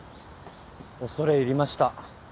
恐れ入りました。